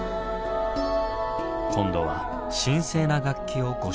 今度は神聖な楽器をご紹介しましょう。